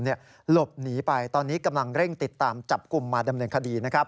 หลบหนีไปตอนนี้กำลังเร่งติดตามจับกลุ่มมาดำเนินคดี